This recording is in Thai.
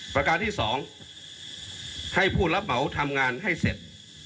ประการที่๒ให้ผู้รับเหมาทำงานให้เสร็จ